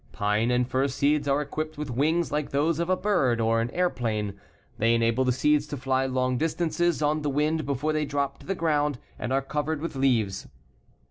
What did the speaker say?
Pine and fir seeds are equipped with wings like those of a bird or an airplane. They enable the seeds to fly long distances on the wind before they drop to the ground and are covered with leaves.